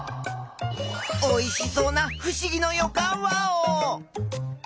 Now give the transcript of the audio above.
おいしそうなふしぎのよかんワオ！